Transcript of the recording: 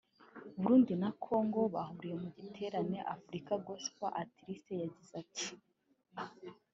Burundi na Congo bahuriye mu giterane “African Gospel Artits” yagize ati;